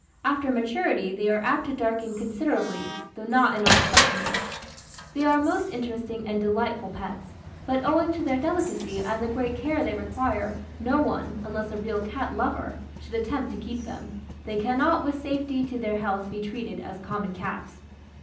After maturity they are apt to darken considerably, though not in all specimens. "They are most interesting and delightful pets. But owing to their delicacy and the great care they require, no one, unless a real cat lover, should attempt to keep them; they cannot with safety to their health be treated as common cats.